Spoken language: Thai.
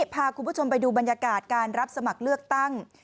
พาคุณผู้ชมไปดูบรรยากาศการรับสมัครเลือกตั้ง